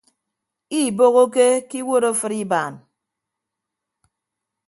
Iibohoke ke iwuot afịt ibaan.